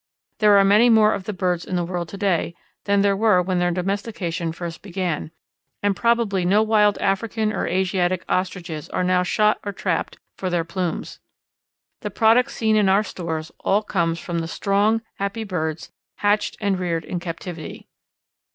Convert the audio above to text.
There are many more of the birds in the world to day than there were when their domestication first began, and probably no wild African or Asiatic Ostriches are now shot or trapped for their plumes. The product seen in our stores all comes from strong, happy birds hatched and reared in captivity.